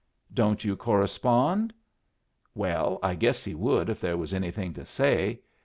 "Don't you correspond?" "Well, I guess he would if there was anything to say.